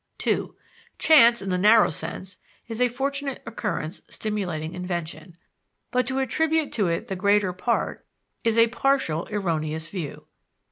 (2) Chance, in the narrow sense, is a fortunate occurrence stimulating invention: but to attribute to it the greater part, is a partial, erroneous view.